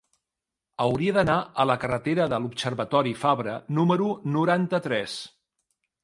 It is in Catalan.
Hauria d'anar a la carretera de l'Observatori Fabra número noranta-tres.